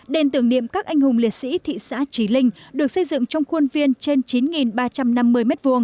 đền tưởng niệm các anh hùng liệt sĩ thị xã trí linh được xây dựng trong khuôn viên trên chín ba trăm năm mươi m hai